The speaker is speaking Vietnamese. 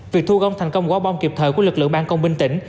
việc thu gom thành công quả bom kịp thời của lực lượng ban công binh tỉnh